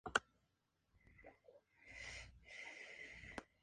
Aberystwyth, Wales-Gales, United Kingdom-Reino Unido.